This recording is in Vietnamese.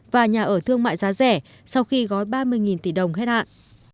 và nhà ở thương mại giá rẻ sau khi gói ba mươi tỷ đồng hết hạn